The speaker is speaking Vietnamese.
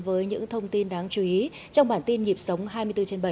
với những thông tin đáng chú ý trong bản tin nhịp sống hai mươi bốn trên bảy